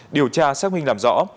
điều tra xác minh làm rõ